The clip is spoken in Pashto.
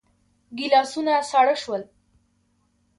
ګيلاسونه ساړه شول.